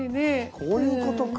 こういうことか。